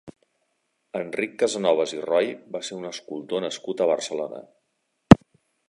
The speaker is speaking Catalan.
Enric Casanovas i Roy va ser un escultor nascut a Barcelona.